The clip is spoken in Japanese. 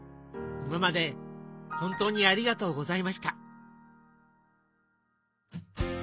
今まで本当にありがとうございました。